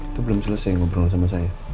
itu belum selesai ngobrol sama saya